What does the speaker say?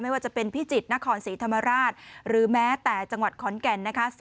ว่าจะเป็นพิจิตรนครศรีธรรมราชหรือแม้แต่จังหวัดขอนแก่นนะคะ